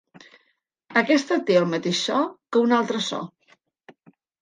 Aquesta té el mateix to que un altre so.